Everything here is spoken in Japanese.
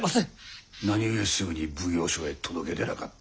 何故すぐに奉行所へ届け出なかった？